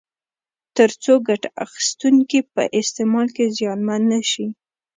ترڅو ګټه اخیستونکي په استعمال کې زیانمن نه شي.